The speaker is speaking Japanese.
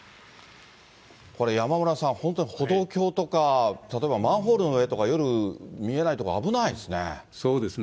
これ、山村さん、本当に歩道橋とか、例えばマンホールの上とか、そうですね。